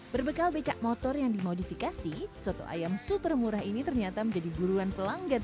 berbekal becak motor yang dimodifikasi soto ayam super murah ini ternyata menjadi buruan pelanggan